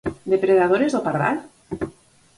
Depredadores do pardal?